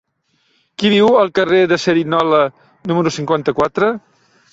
Qui viu al carrer de Cerignola número cinquanta-quatre?